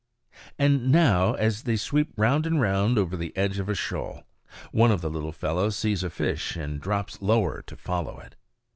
And now as they sweep round and round over the edge of a shoal, one of the little fellows sees a fish and drops lower to follow it.